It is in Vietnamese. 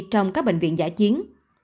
trong các bệnh viện giả chiến